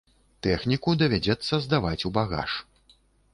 Тэхніку давядзецца здаваць у багаж.